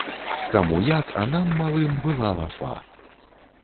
Каму як, а нам, малым, была лафа.